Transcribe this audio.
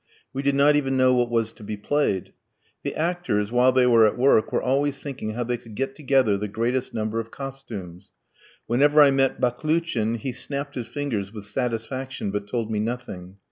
We did not even know what was to be played. The actors, while they were at work, were always thinking how they could get together the greatest number of costumes. Whenever I met Baklouchin he snapped his fingers with satisfaction, but told me nothing.